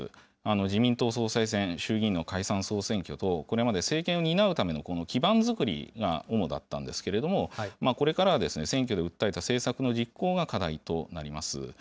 自民党総裁選、衆議院の解散・総選挙等、これまで政権を担うための基盤づくりが主だったんですけれども、これからは選挙で訴えた政策の実行が課題となります。